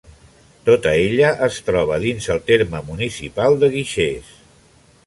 Tota ella es troba dins el terme municipal de Guixers.